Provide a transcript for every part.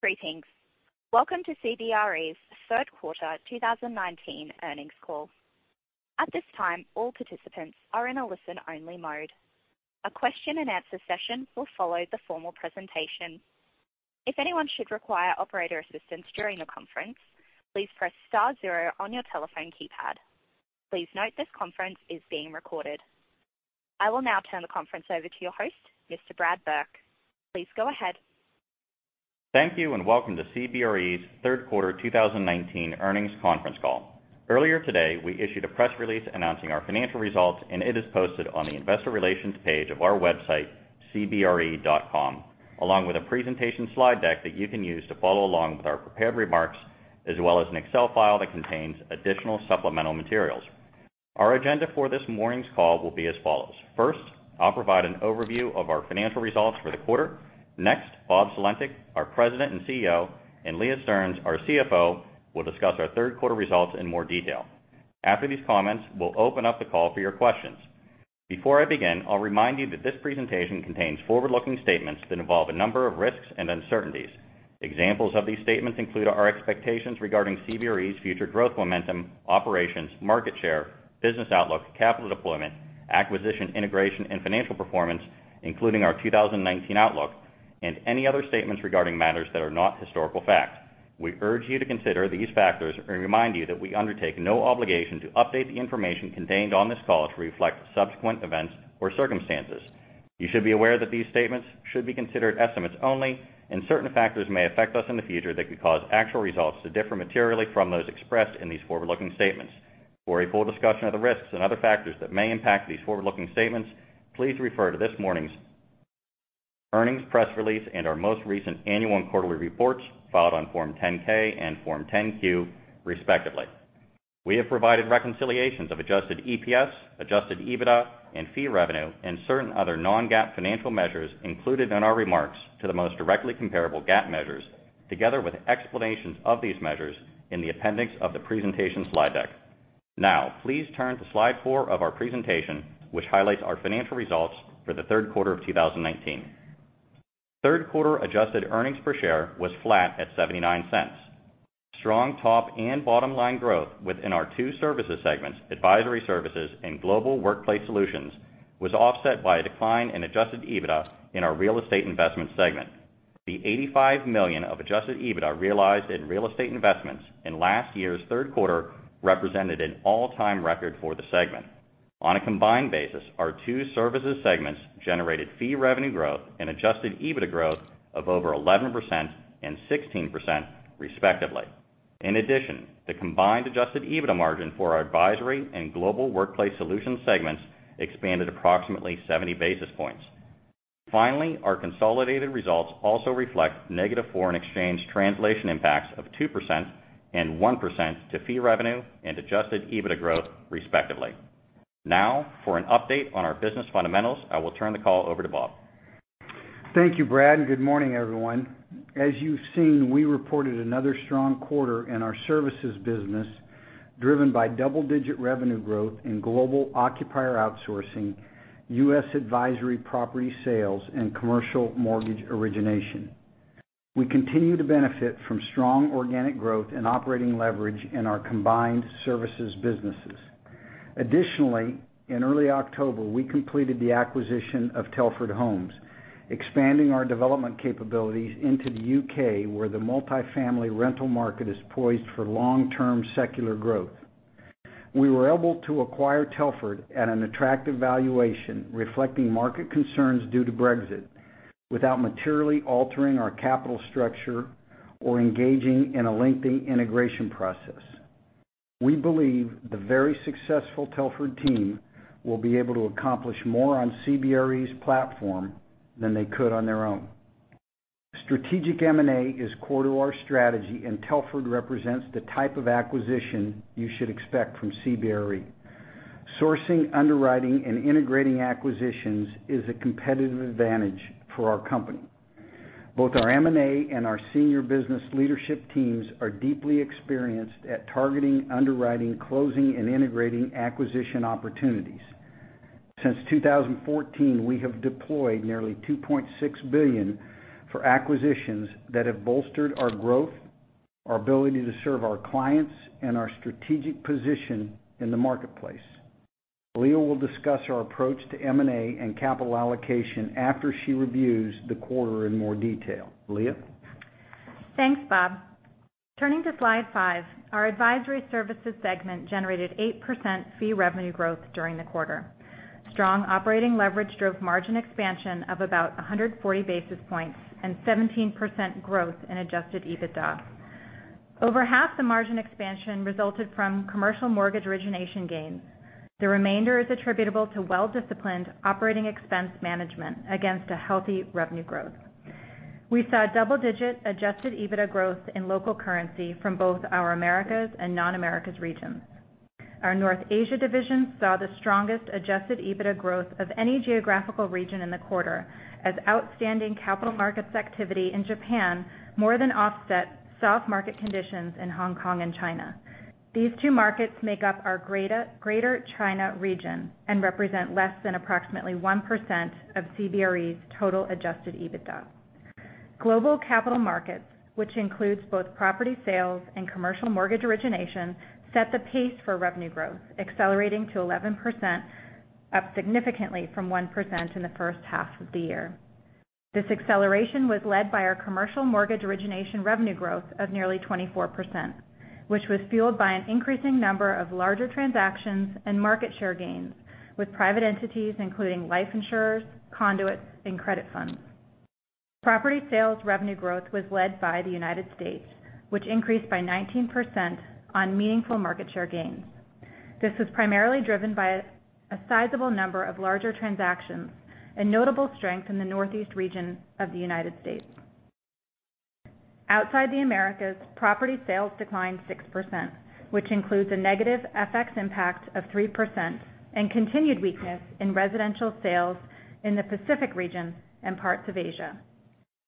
Greetings. Welcome to CBRE's third quarter 2019 earnings call. At this time, all participants are in a listen-only mode. A question and answer session will follow the formal presentation. If anyone should require operator assistance during the conference, please press star zero on your telephone keypad. Please note this conference is being recorded. I will now turn the conference over to your host, Mr. Brad Burke. Please go ahead. Thank you, welcome to CBRE's third quarter 2019 earnings conference call. Earlier today, we issued a press release announcing our financial results, and it is posted on the investor relations page of our website, cbre.com, along with a presentation slide deck that you can use to follow along with our prepared remarks, as well as an Excel file that contains additional supplemental materials. Our agenda for this morning's call will be as follows. First, I'll provide an overview of our financial results for the quarter. Next, Bob Sulentic, our President and CEO, and Leah Stearns, our CFO, will discuss our third quarter results in more detail. After these comments, we'll open up the call for your questions. Before I begin, I'll remind you that this presentation contains forward-looking statements that involve a number of risks and uncertainties. Examples of these statements include our expectations regarding CBRE's future growth momentum, operations, market share, business outlook, capital deployment, acquisition integration, and financial performance, including our 2019 outlook, and any other statements regarding matters that are not historical fact. We urge you to consider these factors and remind you that we undertake no obligation to update the information contained on this call to reflect subsequent events or circumstances. You should be aware that these statements should be considered estimates only, and certain factors may affect us in the future that could cause actual results to differ materially from those expressed in these forward-looking statements. For a full discussion of the risks and other factors that may impact these forward-looking statements, please refer to this morning's earnings press release and our most recent annual and quarterly reports filed on Form 10-K and Form 10-Q, respectively. We have provided reconciliations of adjusted EPS, adjusted EBITDA and fee revenue and certain other non-GAAP financial measures included in our remarks to the most directly comparable GAAP measures, together with explanations of these measures in the appendix of the presentation slide deck. Now, please turn to slide 4 of our presentation, which highlights our financial results for the third quarter of 2019. Third quarter adjusted earnings per share was flat at $0.79. Strong top and bottom-line growth within our two services segments, Advisory Services and Global Workplace Solutions, was offset by a decline in adjusted EBITDA in our Real Estate Investments segment. The $85 million of adjusted EBITDA realized in Real Estate Investments in last year's third quarter represented an all-time record for the segment. On a combined basis, our two services segments generated fee revenue growth and adjusted EBITDA growth of over 11% and 16%, respectively. In addition, the combined adjusted EBITDA margin for our Advisory Services and Global Workplace Solutions segments expanded approximately 70 basis points. Our consolidated results also reflect negative foreign exchange translation impacts of 2% and 1% to fee revenue and adjusted EBITDA growth, respectively. For an update on our business fundamentals, I will turn the call over to Bob. Thank you, Brad, and good morning, everyone. As you've seen, we reported another strong quarter in our services business, driven by double-digit revenue growth in Global Workplace Solutions, U.S. Advisory Services property sales, and commercial mortgage origination. We continue to benefit from strong organic growth and operating leverage in our combined services businesses. Additionally, in early October, we completed the acquisition of Telford Homes, expanding our development capabilities into the U.K., where the multifamily rental market is poised for long-term secular growth. We were able to acquire Telford at an attractive valuation, reflecting market concerns due to Brexit without materially altering our capital structure or engaging in a lengthy integration process. We believe the very successful Telford team will be able to accomplish more on CBRE's platform than they could on their own. Strategic M&A is core to our strategy, and Telford represents the type of acquisition you should expect from CBRE. Sourcing, underwriting, and integrating acquisitions is a competitive advantage for our company. Both our M&A and our senior business leadership teams are deeply experienced at targeting, underwriting, closing, and integrating acquisition opportunities. Since 2014, we have deployed nearly $2.6 billion for acquisitions that have bolstered our growth, our ability to serve our clients, and our strategic position in the marketplace. Leah will discuss our approach to M&A and capital allocation after she reviews the quarter in more detail. Leah? Thanks, Bob. Turning to slide five, our Advisory Services segment generated 8% fee revenue growth during the quarter. Strong operating leverage drove margin expansion of about 140 basis points and 17% growth in adjusted EBITDA. Over half the margin expansion resulted from commercial mortgage origination gains. The remainder is attributable to well-disciplined operating expense management against a healthy revenue growth. We saw double-digit adjusted EBITDA growth in local currency from both our Americas and non-Americas regions. Our North Asia division saw the strongest adjusted EBITDA growth of any geographical region in the quarter as outstanding capital markets activity in Japan more than offset soft market conditions in Hong Kong and China. These two markets make up our Greater China region and represent less than approximately 1% of CBRE's total adjusted EBITDA. Global capital markets, which includes both property sales and commercial mortgage origination, set the pace for revenue growth, accelerating to 11%, up significantly from 1% in the first half of the year. This acceleration was led by our commercial mortgage origination revenue growth of nearly 24%, which was fueled by an increasing number of larger transactions and market share gains with private entities, including life insurers, conduits, and credit funds. Property sales revenue growth was led by the United States, which increased by 19% on meaningful market share gains. This was primarily driven by a sizable number of larger transactions and notable strength in the Northeast region of the United States. Outside the Americas, property sales declined 6%, which includes a negative FX impact of 3% and continued weakness in residential sales in the Pacific region and parts of Asia.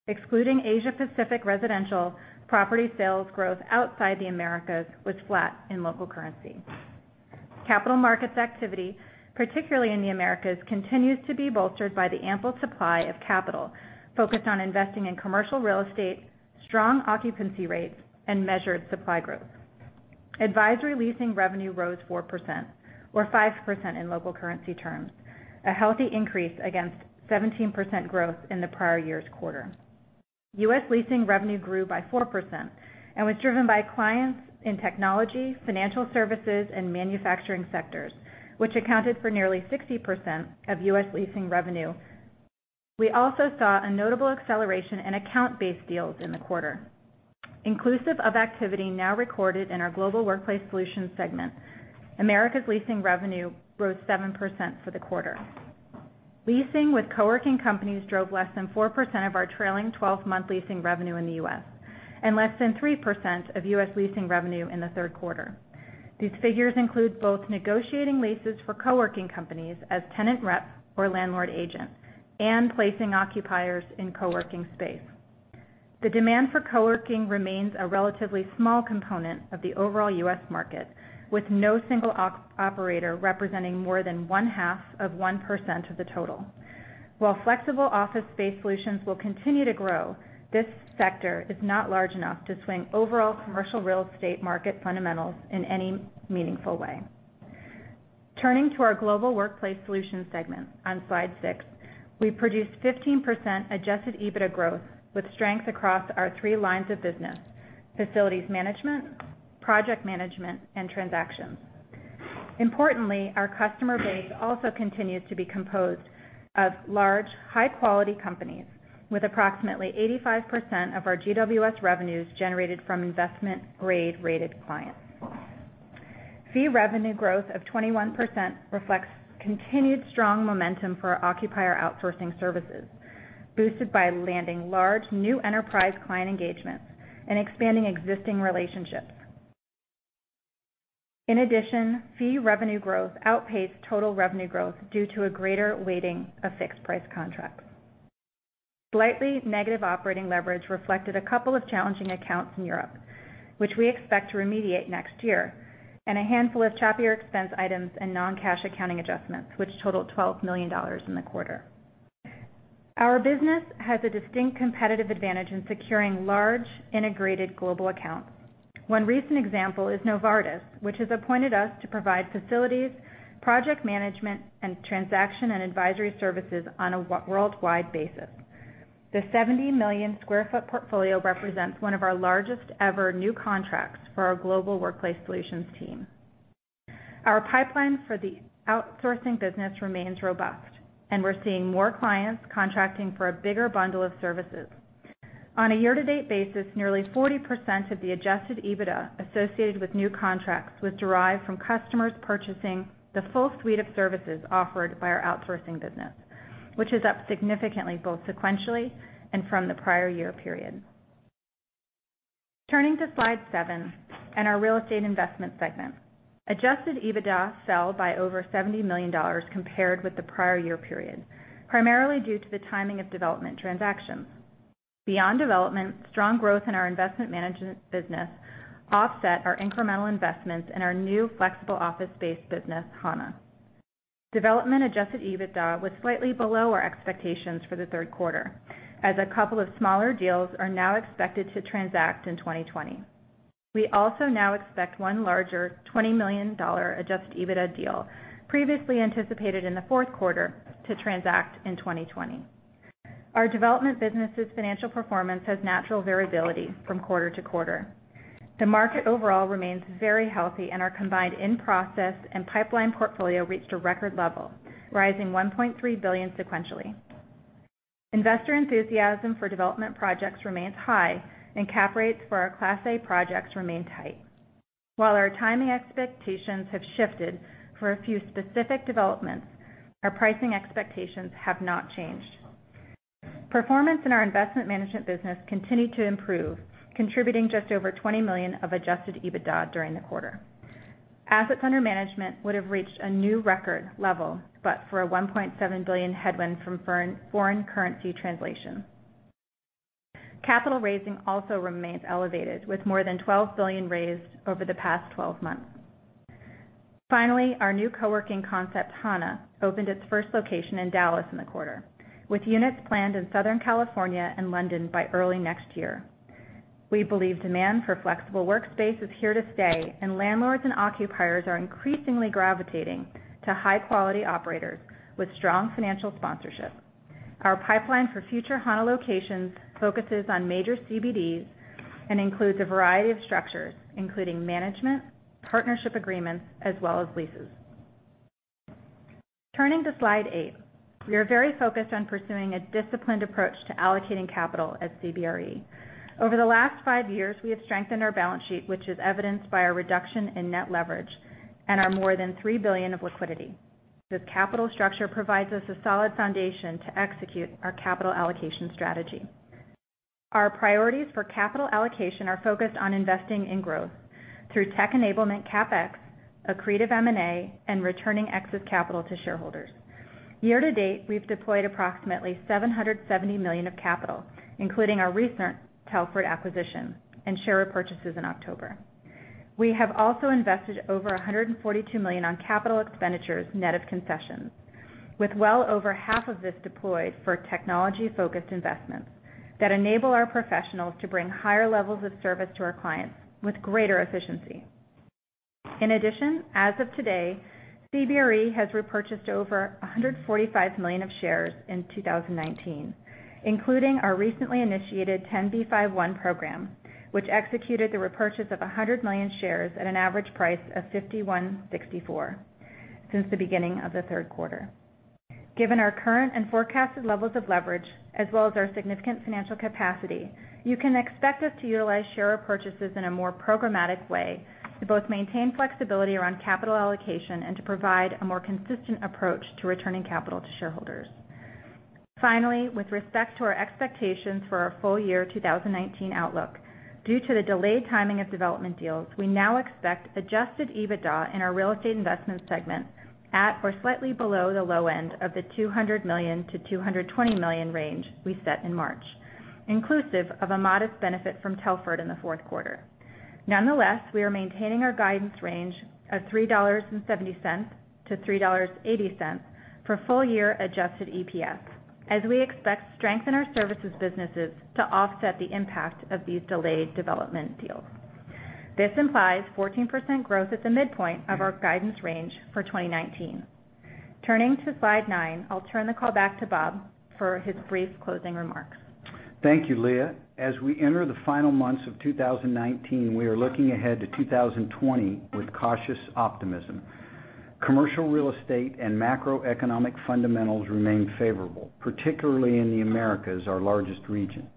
Excluding Asia-Pacific residential, property sales growth outside the Americas was flat in local currency. Capital markets activity, particularly in the Americas, continues to be bolstered by the ample supply of capital focused on investing in commercial real estate, strong occupancy rates, and measured supply growth. Advisory leasing revenue rose 4%, or 5% in local currency terms, a healthy increase against 17% growth in the prior year's quarter. U.S. leasing revenue grew by 4% and was driven by clients in technology, financial services, and manufacturing sectors, which accounted for nearly 60% of U.S. leasing revenue. We also saw a notable acceleration in account-based deals in the quarter. Inclusive of activity now recorded in our Global Workplace Solutions segment, Americas leasing revenue rose 7% for the quarter. Leasing with co-working companies drove less than 4% of our trailing 12-month leasing revenue in the U.S. and less than 3% of U.S. leasing revenue in the third quarter. These figures include both negotiating leases for co-working companies as tenant reps or landlord agents and placing occupiers in co-working space. The demand for co-working remains a relatively small component of the overall U.S. market, with no single operator representing more than one-half of 1% of the total. While flexible office space solutions will continue to grow, this sector is not large enough to swing overall commercial real estate market fundamentals in any meaningful way. Turning to our Global Workplace Solutions segment on slide six, we produced 15% adjusted EBITDA growth with strength across our three lines of business, Facilities Management, Project Management, and transactions. Importantly, our customer base also continues to be composed of large, high-quality companies with approximately 85% of our GWS revenues generated from investment-grade-rated clients. Fee revenue growth of 21% reflects continued strong momentum for our occupier outsourcing services, boosted by landing large new enterprise client engagements and expanding existing relationships. In addition, fee revenue growth outpaced total revenue growth due to a greater weighting of fixed-price contracts. Slightly negative operating leverage reflected a couple of challenging accounts in Europe, which we expect to remediate next year, and a handful of choppier expense items and non-cash accounting adjustments, which totaled $12 million in the quarter. Our business has a distinct competitive advantage in securing large, integrated global accounts. One recent example is Novartis, which has appointed us to provide facilities, Project Management, and transaction and Advisory Services on a worldwide basis. The 70 million square foot portfolio represents one of our largest ever new contracts for our Global Workplace Solutions team. Our pipeline for the outsourcing business remains robust, and we're seeing more clients contracting for a bigger bundle of services. On a year-to-date basis, nearly 40% of the adjusted EBITDA associated with new contracts was derived from customers purchasing the full suite of services offered by our outsourcing business, which is up significantly, both sequentially and from the prior year period. Turning to slide seven and our Real Estate Investments segment. Adjusted EBITDA fell by over $70 million compared with the prior year period, primarily due to the timing of development transactions. Beyond development, strong growth in our Investment Management business offset our incremental investments in our new flexible office space business, Hana. Development adjusted EBITDA was slightly below our expectations for the third quarter, as a couple of smaller deals are now expected to transact in 2020. We also now expect one larger $20 million adjusted EBITDA deal previously anticipated in the fourth quarter to transact in 2020. Our development business's financial performance has natural variability from quarter to quarter. The market overall remains very healthy, and our combined in-process and pipeline portfolio reached a record level, rising $1.3 billion sequentially. Investor enthusiasm for development projects remains high, and cap rates for our Class A projects remain tight. While our timing expectations have shifted for a few specific developments, our pricing expectations have not changed. Performance in our Investment Management business continued to improve, contributing just over $20 million of adjusted EBITDA during the quarter. Assets under management would have reached a new record level but for a $1.7 billion headwind from foreign currency translation. Capital raising also remains elevated with more than $12 billion raised over the past 12 months. Our new co-working concept, Hana, opened its first location in Dallas in the quarter, with units planned in Southern California and London by early next year. We believe demand for flexible workspace is here to stay, and landlords and occupiers are increasingly gravitating to high-quality operators with strong financial sponsorship. Our pipeline for future Hana locations focuses on major CBDs and includes a variety of structures, including management, partnership agreements, as well as leases. Turning to slide eight. We are very focused on pursuing a disciplined approach to allocating capital at CBRE. Over the last five years, we have strengthened our balance sheet, which is evidenced by a reduction in net leverage and our more than $3 billion of liquidity. This capital structure provides us a solid foundation to execute our capital allocation strategy. Our priorities for capital allocation are focused on investing in growth through tech enablement CapEx, accretive M&A, and returning excess capital to shareholders. Year-to-date, we've deployed approximately $770 million of capital, including our recent Telford acquisition and share repurchases in October. We have also invested over $142 million on capital expenditures net of concessions, with well over half of this deployed for technology-focused investments that enable our professionals to bring higher levels of service to our clients with greater efficiency. In addition, as of today, CBRE has repurchased over $145 million of shares in 2019, including our recently initiated Rule 10b5-1 program, which executed the repurchase of $100 million shares at an average price of $51.64 since the beginning of the third quarter. Given our current and forecasted levels of leverage, as well as our significant financial capacity, you can expect us to utilize share repurchases in a more programmatic way to both maintain flexibility around capital allocation and to provide a more consistent approach to returning capital to shareholders. Finally, with respect to our expectations for our full-year 2019 outlook, due to the delayed timing of development deals, we now expect adjusted EBITDA in our Real Estate Investments segment at or slightly below the low end of the $200 million-$220 million range we set in March, inclusive of a modest benefit from Telford Homes in the fourth quarter. Nonetheless, we are maintaining our guidance range of $3.70-$3.80 for full-year adjusted EPS, as we expect strength in our services businesses to offset the impact of these delayed development deals. This implies 14% growth at the midpoint of our guidance range for 2019. Turning to slide nine. I'll turn the call back to Bob for his brief closing remarks. Thank you, Leah. As we enter the final months of 2019, we are looking ahead to 2020 with cautious optimism. Commercial real estate and macroeconomic fundamentals remain favorable, particularly in the Americas, our largest region.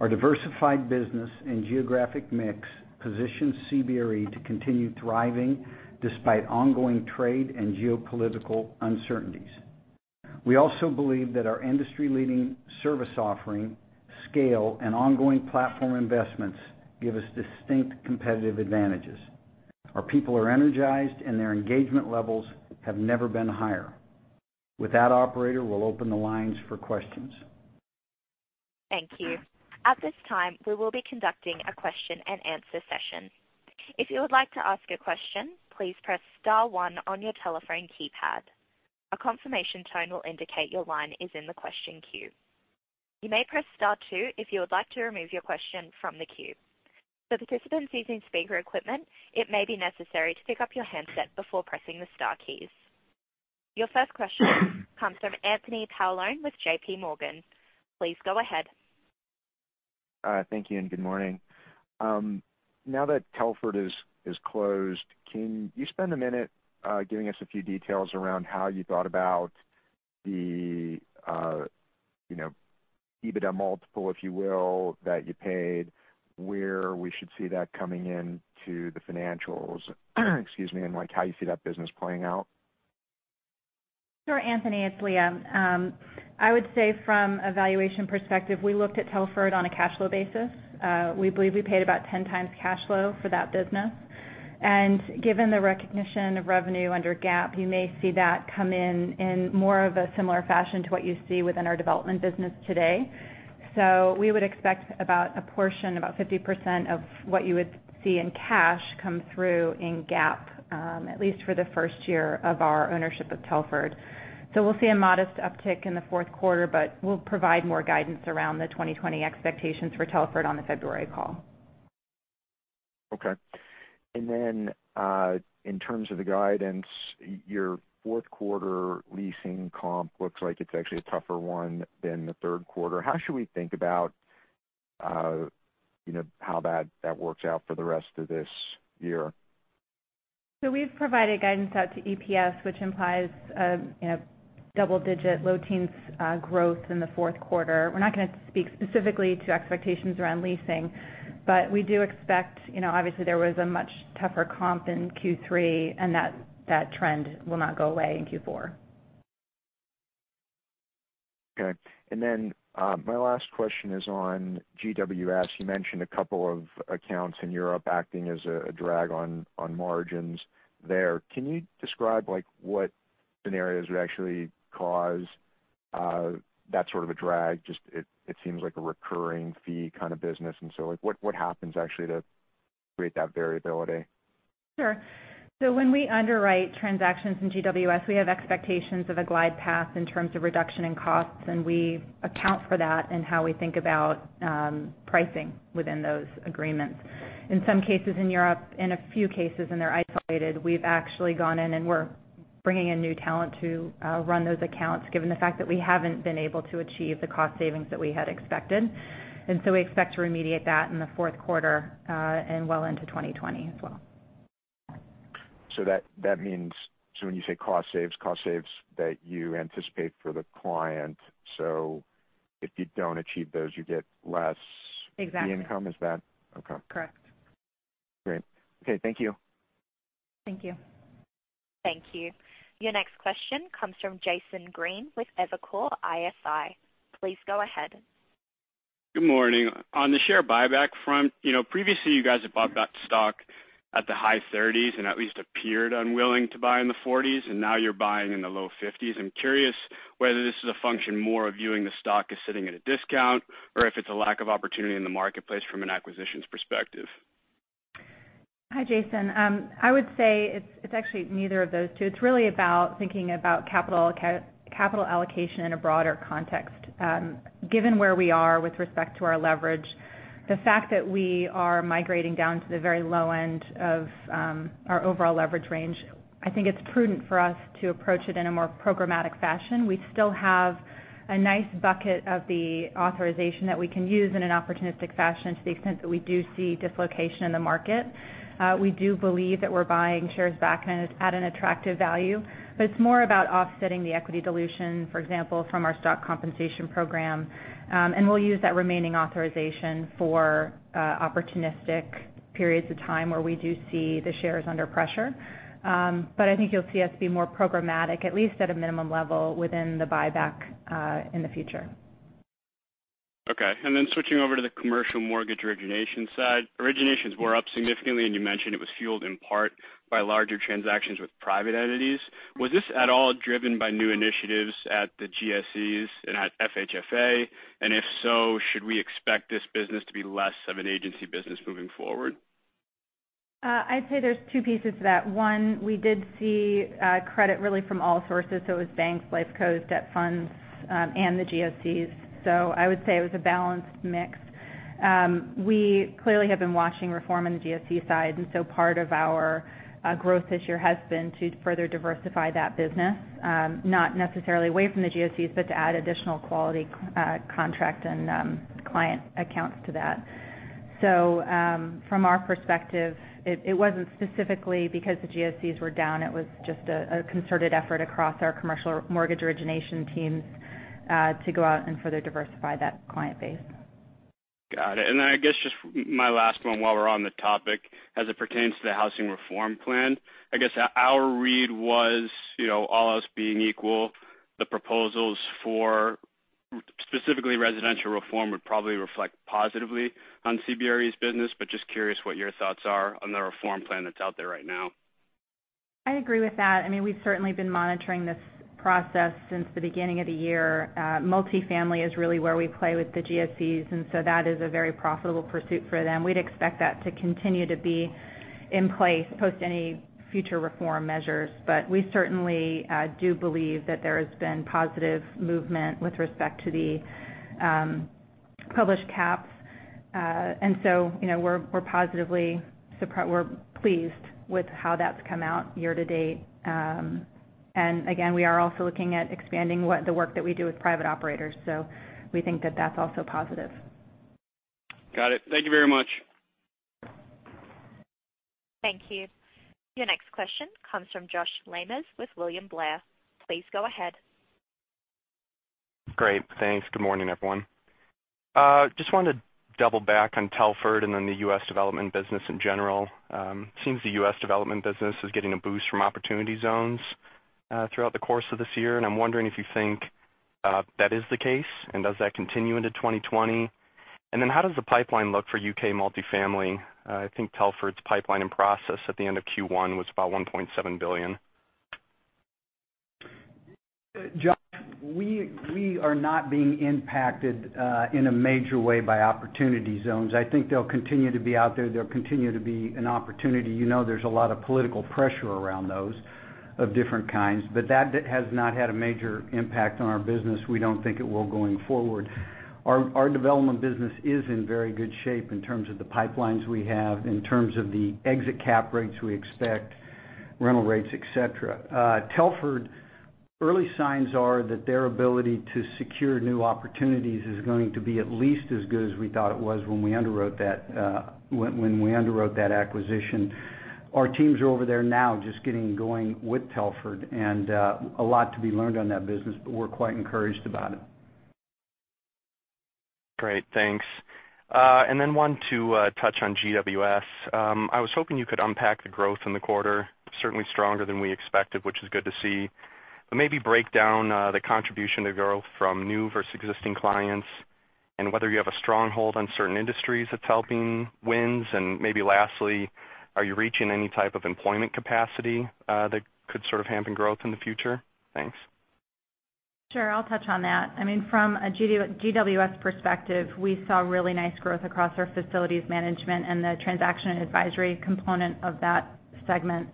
Our diversified business and geographic mix positions CBRE to continue thriving despite ongoing trade and geopolitical uncertainties. We also believe that our industry-leading service offering, scale, and ongoing platform investments give us distinct competitive advantages. Our people are energized and their engagement levels have never been higher. With that, operator, we'll open the lines for questions. Thank you. At this time, we will be conducting a question and answer session. If you would like to ask a question, please press *1 on your telephone keypad. A confirmation tone will indicate your line is in the question queue. You may press *2 if you would like to remove your question from the queue. For participants using speaker equipment, it may be necessary to pick up your handset before pressing the star keys. Your first question comes from Anthony Paolone with JPMorgan. Please go ahead. Thank you, and good morning. Now that Telford is closed, can you spend a minute giving us a few details around how you thought about the EBITDA multiple, if you will, that you paid, where we should see that coming into the financials, and how you see that business playing out? Sure, Anthony. It's Leah. I would say from a valuation perspective, we looked at Telford on a cash flow basis. We believe we paid about 10 times cash flow for that business. Given the recognition of revenue under GAAP, you may see that come in in more of a similar fashion to what you see within our development business today. We would expect about a portion, about 50%, of what you would see in cash come through in GAAP, at least for the first year of our ownership of Telford. We'll see a modest uptick in the fourth quarter, but we'll provide more guidance around the 2020 expectations for Telford on the February call. Okay. In terms of the guidance, your fourth quarter leasing comp looks like it's actually a tougher one than the third quarter. How should we think about how that works out for the rest of this year? We've provided guidance out to EPS, which implies double-digit, low teens growth in the fourth quarter. We're not going to speak specifically to expectations around leasing, but we do expect, obviously there was a much tougher comp in Q3, and that trend will not go away in Q4. Okay. Then my last question is on GWS. You mentioned a couple of accounts in Europe acting as a drag on margins there. Can you describe what scenarios would actually cause that sort of a drag? Just it seems like a recurring fee kind of business. What happens actually to create that variability? Sure. When we underwrite transactions in GWS, we have expectations of a glide path in terms of reduction in costs, and we account for that in how we think about pricing within those agreements. In some cases in Europe, in a few cases, and they're isolated, we've actually gone in and we're bringing in new talent to run those accounts, given the fact that we haven't been able to achieve the cost savings that we had expected. We expect to remediate that in the fourth quarter, and well into 2020 as well. That means when you say cost saves, cost saves that you anticipate for the client if you don't achieve those. Exactly the income, is that? Okay. Correct. Great. Okay. Thank you. Thank you. Thank you. Your next question comes from Jason Green with Evercore ISI. Please go ahead. Good morning. On the share buyback front, previously you guys have bought back stock at the high 30s and at least appeared unwilling to buy in the 40s, and now you're buying in the low 50s. I'm curious whether this is a function more of viewing the stock as sitting at a discount, or if it's a lack of opportunity in the marketplace from an acquisitions perspective. Hi, Jason. I would say it's actually neither of those two. It's really about thinking about capital allocation in a broader context. Given where we are with respect to our leverage, the fact that we are migrating down to the very low end of our overall leverage range, I think it's prudent for us to approach it in a more programmatic fashion. We still have a nice bucket of the authorization that we can use in an opportunistic fashion to the extent that we do see dislocation in the market. We do believe that we're buying shares back at an attractive value, but it's more about offsetting the equity dilution, for example, from our stock compensation program. We'll use that remaining authorization for opportunistic periods of time where we do see the shares under pressure. I think you'll see us be more programmatic, at least at a minimum level, within the buyback in the future. Okay. Then switching over to the commercial mortgage origination side, originations were up significantly, and you mentioned it was fueled in part by larger transactions with private entities. Was this at all driven by new initiatives at the GSEs and at FHFA? If so, should we expect this business to be less of an agency business moving forward? I'd say there's two pieces to that. One, we did see credit really from all sources, it was banks, life cos, debt funds, and the GSEs. I would say it was a balanced mix. We clearly have been watching reform on the GSE side, part of our growth this year has been to further diversify that business. Not necessarily away from the GSEs, to add additional quality contract and client accounts to that. From our perspective, it wasn't specifically because the GSEs were down, it was just a concerted effort across our commercial mortgage origination teams to go out and further diversify that client base. Got it. I guess just my last one while we're on the topic. It pertains to the housing reform plan, I guess our read was all else being equal, the proposals for specifically residential reform would probably reflect positively on CBRE's business, but just curious what your thoughts are on the reform plan that's out there right now. I agree with that. We've certainly been monitoring this process since the beginning of the year. Multifamily is really where we play with the GSEs, that is a very profitable pursuit for them. We'd expect that to continue to be in place post any future reform measures. We certainly do believe that there has been positive movement with respect to the published caps. We're positively pleased with how that's come out year to date. We are also looking at expanding the work that we do with private operators. We think that that's also positive. Got it. Thank you very much. Thank you. Your next question comes from Josh Lamers with William Blair. Please go ahead. Great. Thanks. Good morning, everyone. Just wanted to double back on Telford and then the U.S. development business in general. Seems the U.S. development business is getting a boost from opportunity zones throughout the course of this year, and I'm wondering if you think that is the case, and does that continue into 2020? How does the pipeline look for U.K. multifamily? I think Telford's pipeline and process at the end of Q1 was about $1.7 billion. Josh, we are not being impacted in a major way by Opportunity Zones. I think they'll continue to be out there. They'll continue to be an opportunity. You know there's a lot of political pressure around those of different kinds, but that has not had a major impact on our business. We don't think it will going forward. Our development business is in very good shape in terms of the pipelines we have, in terms of the exit cap rates we expect, rental rates, et cetera. Telford, early signs are that their ability to secure new opportunities is going to be at least as good as we thought it was when we underwrote that acquisition. Our teams are over there now just getting going with Telford, and a lot to be learned on that business, but we're quite encouraged about it. Great. Thanks. Wanted to touch on GWS. I was hoping you could unpack the growth in the quarter, certainly stronger than we expected, which is good to see. Maybe break down the contribution to growth from new versus existing clients. Whether you have a stronghold on certain industries that's helping wins and maybe lastly, are you reaching any type of employment capacity that could sort of hamper growth in the future? Thanks. Sure. I'll touch on that. From a GWS perspective, we saw really nice growth across our facilities management and the transaction and advisory component of that segment.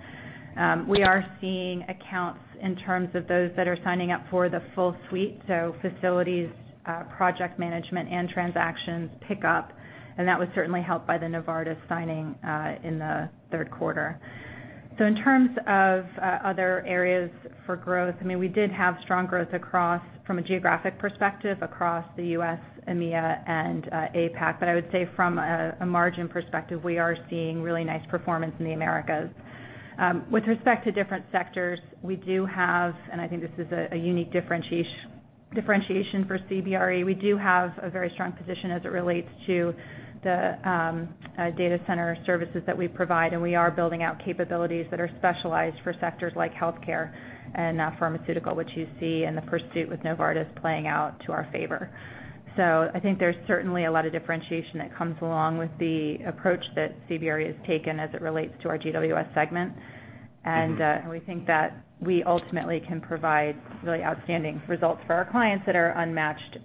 We are seeing accounts in terms of those that are signing up for the full suite, so facilities, project management, and transactions pick up, and that was certainly helped by the Novartis signing in the third quarter. In terms of other areas for growth, we did have strong growth from a geographic perspective across the U.S., EMEA, and APAC. I would say from a margin perspective, we are seeing really nice performance in the Americas. With respect to different sectors, we do have, and I think this is a unique differentiation for CBRE, we do have a very strong position as it relates to the data center services that we provide, and we are building out capabilities that are specialized for sectors like healthcare and pharmaceutical, which you see in the pursuit with Novartis playing out to our favor. I think there's certainly a lot of differentiation that comes along with the approach that CBRE has taken as it relates to our GWS segment. We think that we ultimately can provide really outstanding results for our clients that are unmatched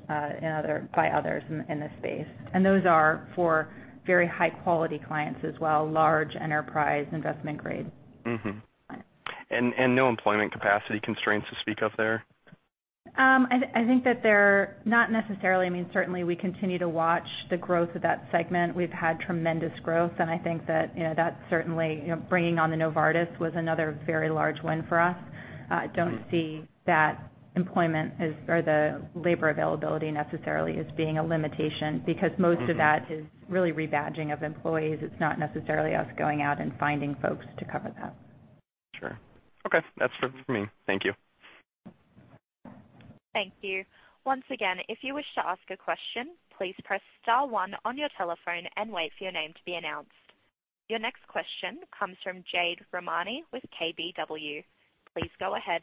by others in this space. Those are for very high-quality clients as well, large enterprise investment grade. Mm-hmm. No employment capacity constraints to speak of there? I think that they're not necessarily. Certainly we continue to watch the growth of that segment. We've had tremendous growth, and I think that certainly bringing on the Novartis was another very large win for us. I don't see that employment is, or the labor availability necessarily is being a limitation because most of that is really rebadging of employees. It's not necessarily us going out and finding folks to cover that. Sure. Okay. That's it for me. Thank you. Thank you. Once again, if you wish to ask a question, please press star one on your telephone and wait for your name to be announced. Your next question comes from Jade Rahmani with KBW. Please go ahead.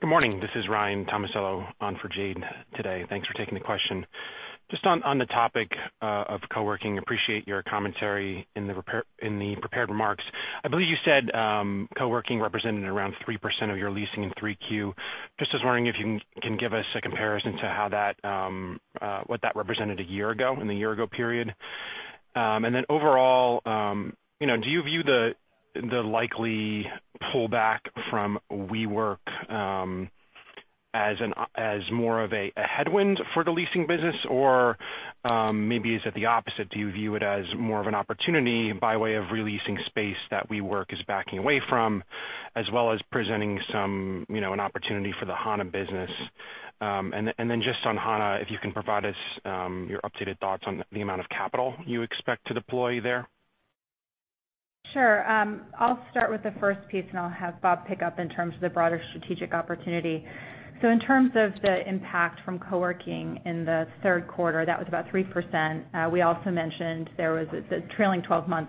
Good morning. This is Ryan Tomasello on for Jade today. Thanks for taking the question. On the topic of co-working, appreciate your commentary in the prepared remarks. I believe you said co-working represented around 3% of your leasing in 3Q. Was wondering if you can give us a comparison to what that represented a year ago, in the year ago period. Overall, do you view the likely pullback from WeWork as more of a headwind for the leasing business or maybe is it the opposite? Do you view it as more of an opportunity by way of re-leasing space that WeWork is backing away from, as well as presenting an opportunity for the Hana business? On Hana, if you can provide us your updated thoughts on the amount of capital you expect to deploy there. Sure. I'll start with the first piece, and I'll have Bob pick up in terms of the broader strategic opportunity. In terms of the impact from co-working in the third quarter, that was about 3%. We also mentioned there was the trailing 12-month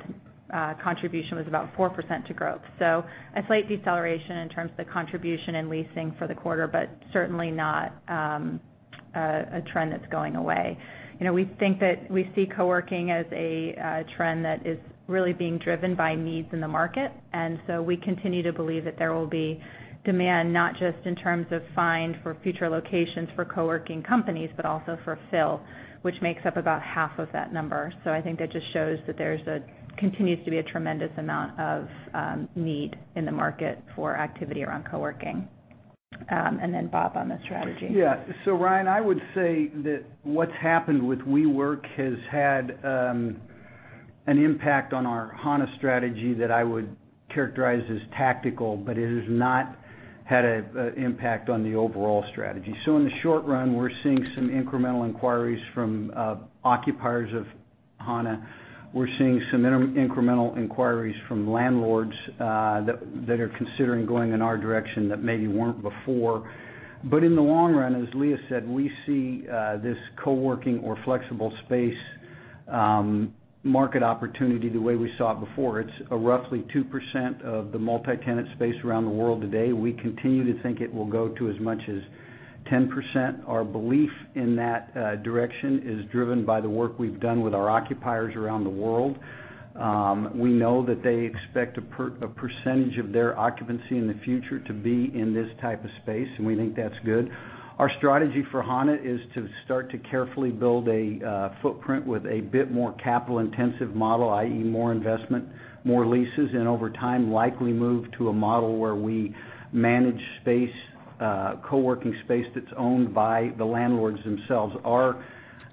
contribution was about 4% to growth. A slight deceleration in terms of the contribution in leasing for the quarter, but certainly not a trend that's going away. We think that we see co-working as a trend that is really being driven by needs in the market. We continue to believe that there will be demand, not just in terms of find for future locations for co-working companies, but also for fill, which makes up about half of that number. I think that just shows that there continues to be a tremendous amount of need in the market for activity around co-working. Bob on the strategy. Yeah. Ryan, I would say that what's happened with WeWork has had an impact on our Hana strategy that I would characterize as tactical, but it has not had an impact on the overall strategy. In the short run, we're seeing some incremental inquiries from occupiers of Hana. We're seeing some incremental inquiries from landlords that are considering going in our direction that maybe weren't before. In the long run, as Leah said, we see this co-working or flexible space market opportunity the way we saw it before. It's roughly 2% of the multi-tenant space around the world today. We continue to think it will go to as much as 10%. Our belief in that direction is driven by the work we've done with our occupiers around the world. We know that they expect a percentage of their occupancy in the future to be in this type of space, and we think that's good. Our strategy for Hana is to start to carefully build a footprint with a bit more capital-intensive model, i.e. more investment, more leases, and over time, likely move to a model where we manage co-working space that's owned by the landlords themselves. Our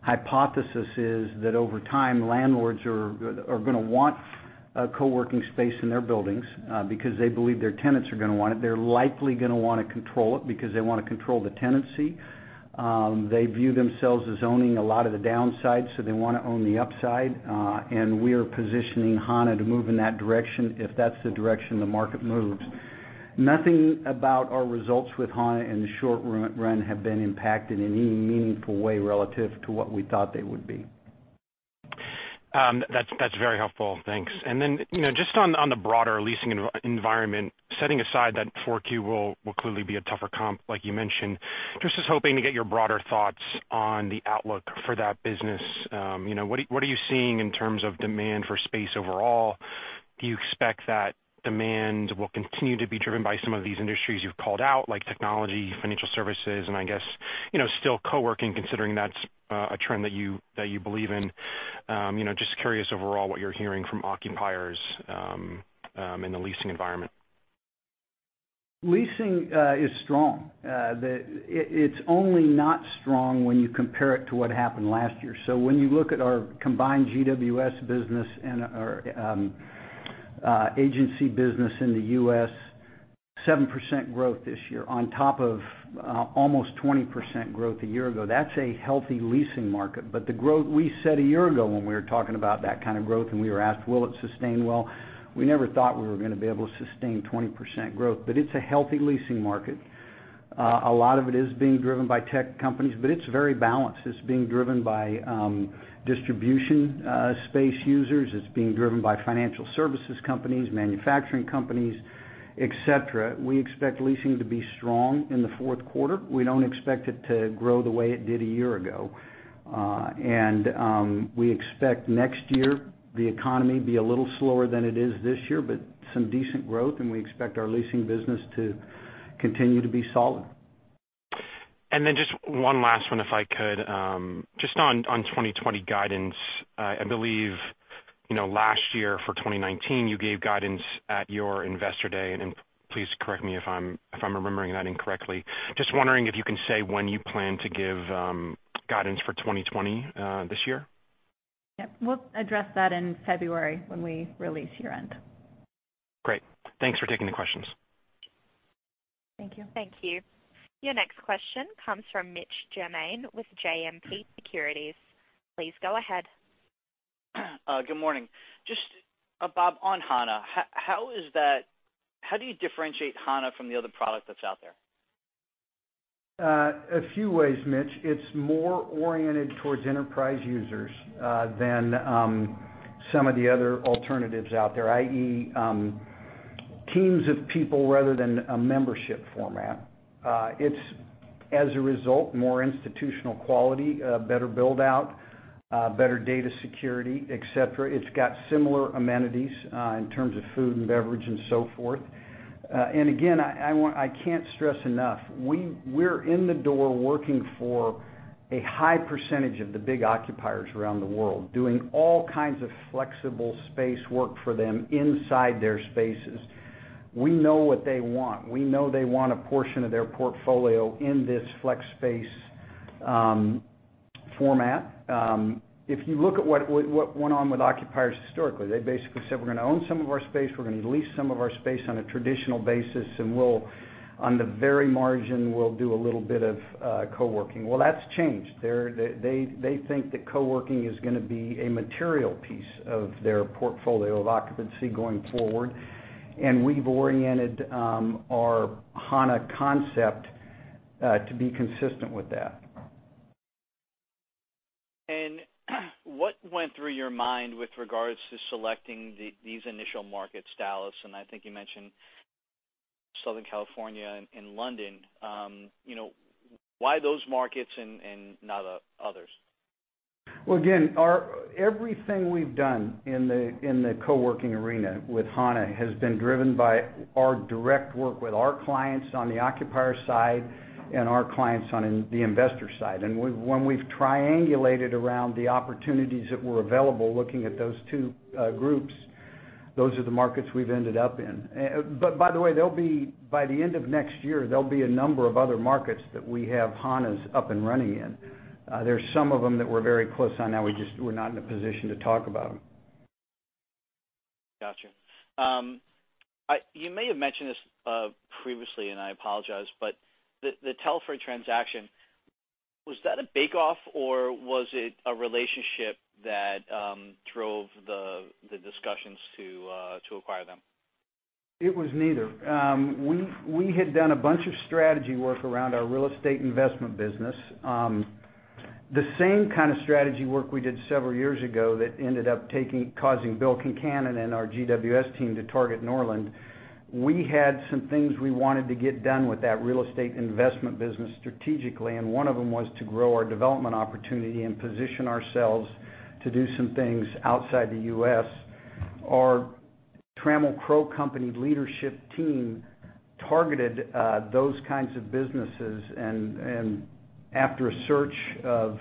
hypothesis is that over time, landlords are going to want a co-working space in their buildings because they believe their tenants are going to want it. They're likely going to want to control it because they want to control the tenancy. They view themselves as owning a lot of the downsides, so they want to own the upside. We are positioning Hana to move in that direction if that's the direction the market moves. Nothing about our results with Hana in the short run have been impacted in any meaningful way relative to what we thought they would be. That's very helpful. Thanks. Then, just on the broader leasing environment, setting aside that 4Q will clearly be a tougher comp, like you mentioned, just was hoping to get your broader thoughts on the outlook for that business. What are you seeing in terms of demand for space overall? Do you expect that demand will continue to be driven by some of these industries you've called out, like technology, financial services, and I guess, still co-working, considering that's a trend that you believe in? Just curious overall what you're hearing from occupiers in the leasing environment. Leasing is strong. It's only not strong when you compare it to what happened last year. When you look at our combined GWS business and our agency business in the U.S., 7% growth this year on top of almost 20% growth a year ago. That's a healthy leasing market. The growth we said a year ago when we were talking about that kind of growth and we were asked, will it sustain? We never thought we were going to be able to sustain 20% growth. It's a healthy leasing market. A lot of it is being driven by tech companies, but it's very balanced. It's being driven by distribution space users. It's being driven by financial services companies, manufacturing companies, et cetera. We expect leasing to be strong in the fourth quarter. We don't expect it to grow the way it did a year ago. We expect next year, the economy be a little slower than it is this year, but some decent growth, and we expect our leasing business to continue to be solid. Just one last one, if I could. Just on 2020 guidance. I believe, last year for 2019, you gave guidance at your investor day, and please correct me if I'm remembering that incorrectly. Just wondering if you can say when you plan to give guidance for 2020 this year. Yep. We'll address that in February when we release year-end. Great. Thanks for taking the questions. Thank you. Thank you. Your next question comes from Mitch Germain with JMP Securities. Please go ahead. Good morning. Just, Bob, on Hana, how do you differentiate Hana from the other product that's out there? A few ways, Mitch. It's more oriented towards enterprise users than some of the other alternatives out there, i.e., teams of people rather than a membership format. It's, as a result, more institutional quality, better build-out, better data security, et cetera. It's got similar amenities in terms of food and beverage and so forth. Again, I can't stress enough, we're in the door working for a high percentage of the big occupiers around the world, doing all kinds of flexible space work for them inside their spaces. We know what they want. We know they want a portion of their portfolio in this flex space format. If you look at what went on with occupiers historically, they basically said, "We're going to own some of our space, we're going to lease some of our space on a traditional basis, and we'll, on the very margin, we'll do a little bit of co-working." Well, that's changed. They think that co-working is going to be a material piece of their portfolio of occupancy going forward. We've oriented our Hana concept to be consistent with that. What went through your mind with regards to selecting these initial markets, Dallas, and I think you mentioned Southern California and London. Why those markets and not others? Well, again, everything we've done in the co-working arena with Hana has been driven by our direct work with our clients on the occupier side and our clients on the investor side. When we've triangulated around the opportunities that were available looking at those two groups, those are the markets we've ended up in. By the way, by the end of next year, there'll be a number of other markets that we have Hanas up and running in. There's some of them that we're very close on now, we're not in a position to talk about them. Got you. You may have mentioned this previously, and I apologize, but the Telford transaction, was that a bake-off or was it a relationship that drove the discussions to acquire them? It was neither. We had done a bunch of strategy work around our real estate investment business. The same kind of strategy work we did several years ago that ended up causing Bill Concannon and our GWS team to target Norland. We had some things we wanted to get done with that real estate investment business strategically, and one of them was to grow our development opportunity and position ourselves to do some things outside the U.S. Our Trammell Crow Company leadership team targeted those kinds of businesses, and after a search of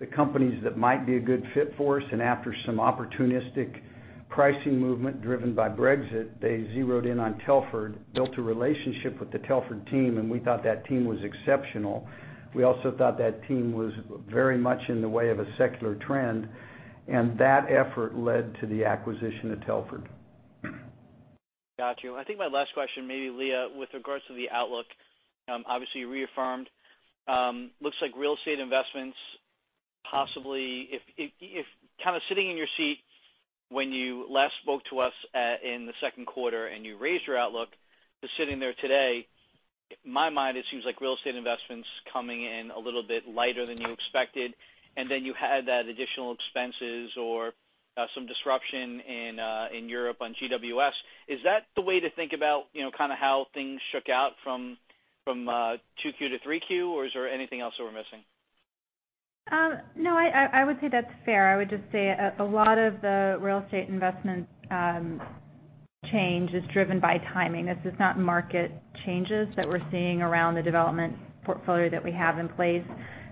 the companies that might be a good fit for us and after some opportunistic pricing movement driven by Brexit, they zeroed in on Telford, built a relationship with the Telford team, and we thought that team was exceptional. We also thought that team was very much in the way of a secular trend, and that effort led to the acquisition of Telford. Got you. I think my last question, maybe Leah, with regards to the outlook, obviously reaffirmed. Looks like Real Estate Investments, possibly if kind of sitting in your seat when you last spoke to us in the second quarter and you raised your outlook to sitting there today. In my mind, it seems like Real Estate Investments coming in a little bit lighter than you expected, and then you had that additional expenses or some disruption in Europe on GWS. Is that the way to think about how things shook out from 2Q to 3Q, or is there anything else that we're missing? No, I would say that's fair. I would just say a lot of the real estate investment change is driven by timing. This is not market changes that we're seeing around the development portfolio that we have in place.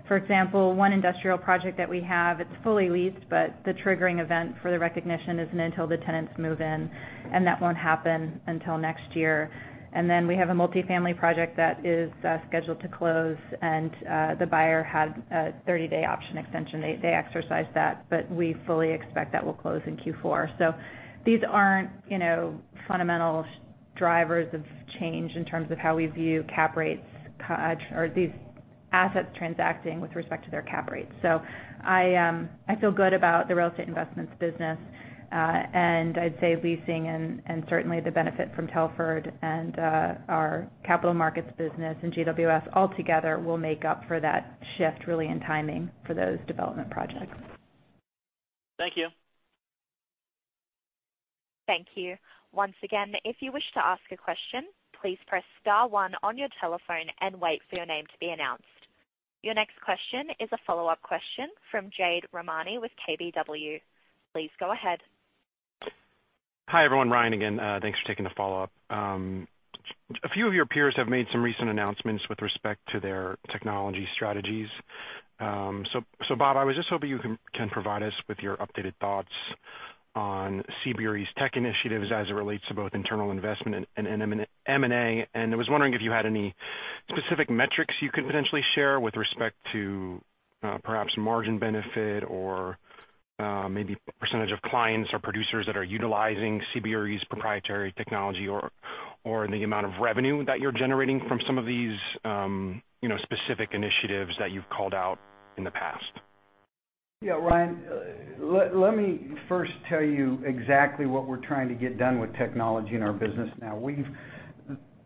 For example, one industrial project that we have, it's fully leased, but the triggering event for the recognition isn't until the tenants move in, and that won't happen until next year. We have a multifamily project that is scheduled to close, and the buyer had a 30-day option extension. They exercised that, we fully expect that we'll close in Q4. These aren't fundamental drivers of change in terms of how we view cap rates or these assets transacting with respect to their cap rates. I feel good about the real estate investments business. I'd say leasing and certainly the benefit from Telford and our capital markets business and GWS altogether will make up for that shift really in timing for those development projects. Thank you. Thank you. Once again, if you wish to ask a question, please press star 1 on your telephone and wait for your name to be announced. Your next question is a follow-up question from Jade Rahmani with KBW. Please go ahead. Hi, everyone. Ryan again. Thanks for taking the follow-up. A few of your peers have made some recent announcements with respect to their technology strategies. Bob, I was just hoping you can provide us with your updated thoughts on CBRE's tech initiatives as it relates to both internal investment and M&A. I was wondering if you had any specific metrics you could potentially share with respect to perhaps margin benefit or maybe percentage of clients or producers that are utilizing CBRE's proprietary technology or the amount of revenue that you're generating from some of these specific initiatives that you've called out in the past. Yeah, Ryan, let me first tell you exactly what we're trying to get done with technology in our business now.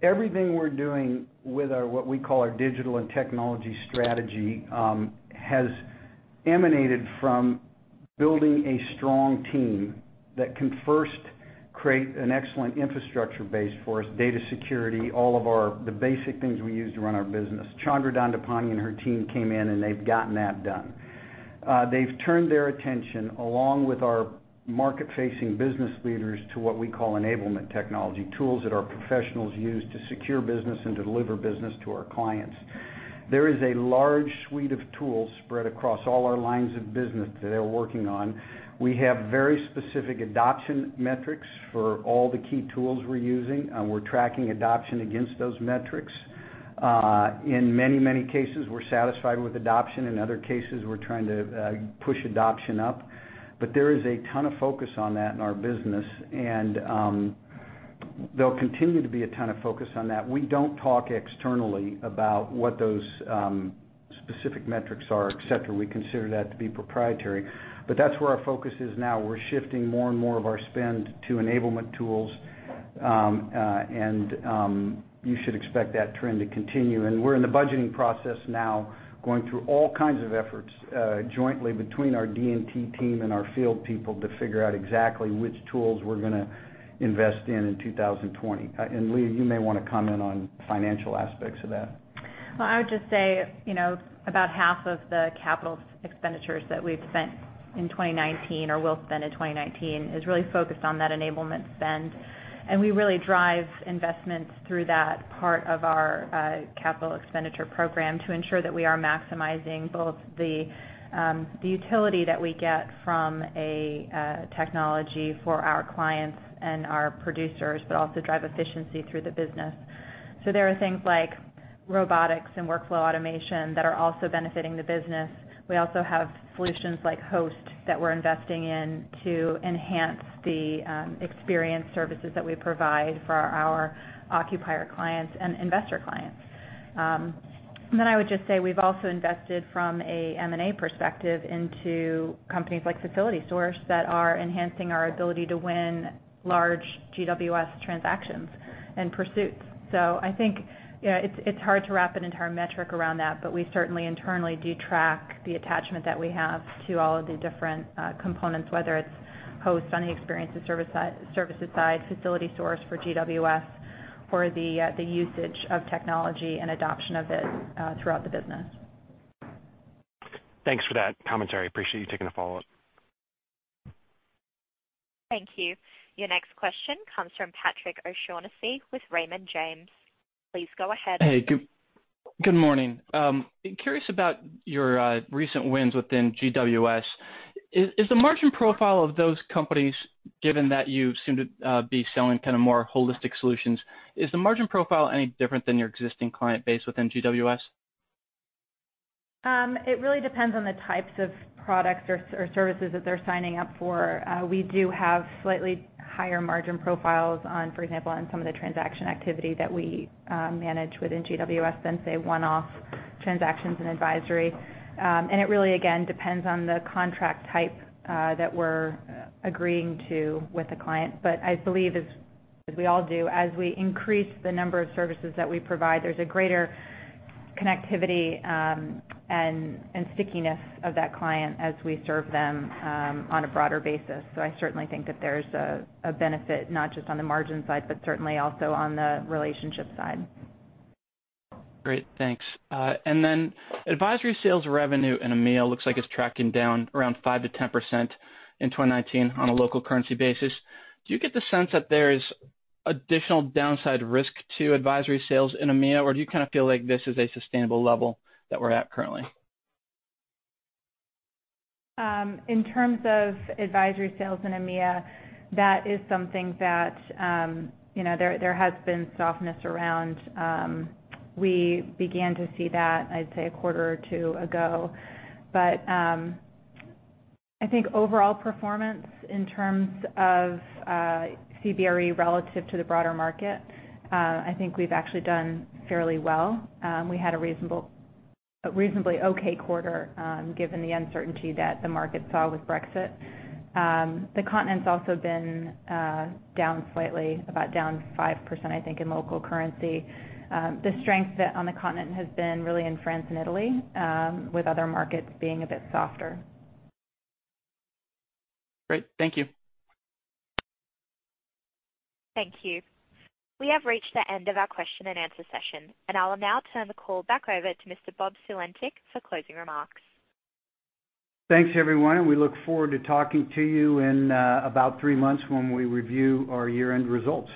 Everything we're doing with what we call our Digital & Technology strategy has emanated from building a strong team that can first create an excellent infrastructure base for us, data security, all of the basic things we use to run our business. Chandra Dhandapani and her team came in. They've gotten that done. They've turned their attention, along with our market-facing business leaders, to what we call enablement technology, tools that our professionals use to secure business and deliver business to our clients. There is a large suite of tools spread across all our lines of business that they're working on. We have very specific adoption metrics for all the key tools we're using. We're tracking adoption against those metrics. In many cases, we're satisfied with adoption. In other cases, we're trying to push adoption up. There is a ton of focus on that in our business. There'll continue to be a ton of focus on that. We don't talk externally about what those specific metrics are, et cetera. We consider that to be proprietary. That's where our focus is now. We're shifting more and more of our spend to enablement tools. You should expect that trend to continue. We're in the budgeting process now, going through all kinds of efforts jointly between our D&T team and our field people to figure out exactly which tools we're going to invest in in 2020. Leah, you may want to comment on financial aspects of that. I would just say, about half of the capital expenditures that we've spent in 2019 or will spend in 2019 is really focused on that enablement spend. We really drive investments through that part of our capital expenditure program to ensure that we are maximizing both the utility that we get from a technology for our clients and our producers, but also drive efficiency through the business. There are things like robotics and workflow automation that are also benefiting the business. We also have solutions like Host that we're investing in to enhance the experience services that we provide for our occupier clients and investor clients. I would just say we've also invested from a M&A perspective into companies like FacilitySource that are enhancing our ability to win large GWS transactions and pursuits. I think it's hard to wrap an entire metric around that, but we certainly internally do track the attachment that we have to all of the different components, whether it's Host on the experiences services side, FacilitySource for GWS, or the usage of technology and adoption of it throughout the business. Thanks for that commentary. Appreciate you taking the follow-up. Thank you. Your next question comes from Patrick O'Shaughnessy with Raymond James. Please go ahead. Hey, good morning. Curious about your recent wins within GWS. Is the margin profile of those companies, given that you seem to be selling kind of more holistic solutions, is the margin profile any different than your existing client base within GWS? It really depends on the types of products or services that they're signing up for. We do have slightly higher margin profiles on, for example, on some of the transaction activity that we manage within GWS than, say, one-off transactions and advisory. It really, again, depends on the contract type that we're agreeing to with the client. I believe as we all do, as we increase the number of services that we provide, there's a greater connectivity and stickiness of that client as we serve them on a broader basis. I certainly think that there's a benefit not just on the margin side, but certainly also on the relationship side. Great. Thanks. Advisory sales revenue in EMEA looks like it's tracking down around 5%-10% in 2019 on a local currency basis. Do you get the sense that there is additional downside risk to advisory sales in EMEA, or do you kind of feel like this is a sustainable level that we're at currently? In terms of advisory sales in EMEA, that is something that there has been softness around. We began to see that, I'd say, a quarter or two ago. I think overall performance in terms of CBRE relative to the broader market, I think we've actually done fairly well. We had a reasonably okay quarter given the uncertainty that the market saw with Brexit. The continent's also been down slightly, about down 5%, I think, in local currency. The strength on the continent has been really in France and Italy, with other markets being a bit softer. Great. Thank you. Thank you. We have reached the end of our question and answer session, and I'll now turn the call back over to Mr. Bob Sulentic for closing remarks. Thanks, everyone. We look forward to talking to you in about three months when we review our year-end results.